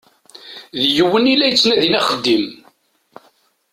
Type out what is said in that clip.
D yiwen i la yettnadin axeddim.